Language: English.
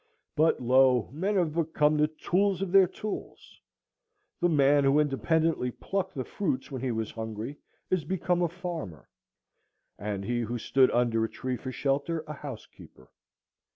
But lo! men have become the tools of their tools. The man who independently plucked the fruits when he was hungry is become a farmer; and he who stood under a tree for shelter, a housekeeper.